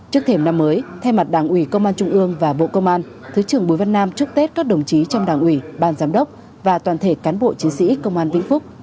trước thềm năm mới thay mặt đảng ủy công an trung ương và bộ công an thứ trưởng bùi văn nam chúc tết các đồng chí trong đảng ủy ban giám đốc và toàn thể cán bộ chiến sĩ công an vĩnh phúc